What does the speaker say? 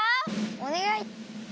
おねがい。